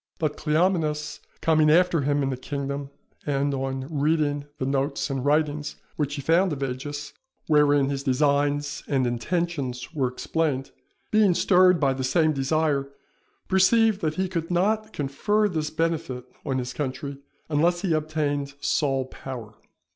But Cleomenes coming after him in the kingdom, and, on reading the notes and writings which he found of Agis wherein his designs and intentions were explained, being stirred by the same desire, perceived that he could not confer this benefit on his country unless he obtained sole power.